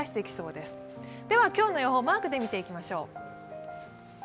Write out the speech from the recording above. では今日の予報をマークで見ていきましょう。